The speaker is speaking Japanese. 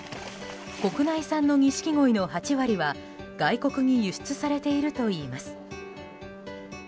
国内産の錦鯉の８割は、外国に輸出されているといいます。